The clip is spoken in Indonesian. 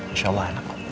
insya allah enak